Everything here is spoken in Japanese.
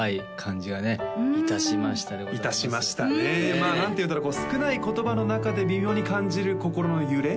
まあ何ていうんだろうこう少ない言葉の中で微妙に感じる心の揺れ